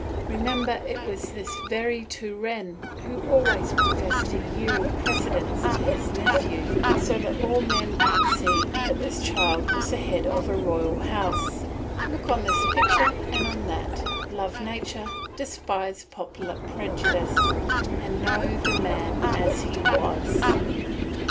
Remember it was this very Turenne who always professed to yield precedence to his nephew, so that all men might see that this child was the head of a royal house. Look on this picture and on that, love nature, despise popular prejudice, and know the man as he was.